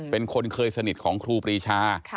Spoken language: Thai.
เป็นคนเคยสนิทของครูปรีชา